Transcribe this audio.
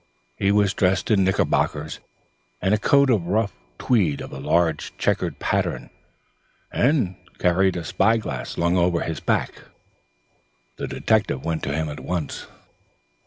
He was dressed in knickerbockers and coat of rough tweed of a large checked pattern, and carried a spy glass slung over his back. The detective went to him at once.